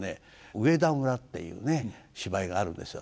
「上田村」っていうね芝居があるんですよ。